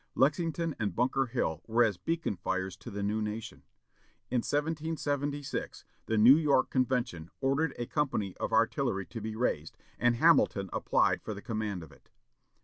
Lexington and Bunker Hill were as beacon fires to the new nation. In 1776, the New York Convention ordered a company of artillery to be raised, and Hamilton applied for the command of it.